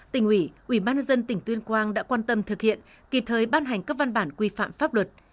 tỉnh ủy ủy ban nhân dân tỉnh tuyên quang đã quan tâm thực hiện kịp thời ban hành các văn bản quy phạm pháp luật